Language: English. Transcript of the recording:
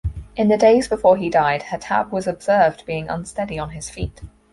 In the days before he died Hatab was observed being unsteady on his feet.